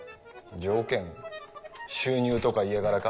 条件？収入とか家柄か？